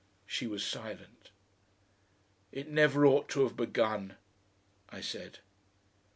She was silent. "It never ought to have begun," I said.